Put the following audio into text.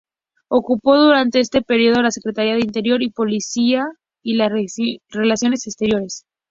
Ocupó durante este período la Secretaría de Interior y Policía y de Relaciones Exteriores.